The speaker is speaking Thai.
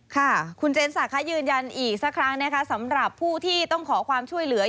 ค่ะคุณเจนศักดิ์ยืนยันอีกสักครั้งนะคะสำหรับผู้ที่ต้องขอความช่วยเหลือ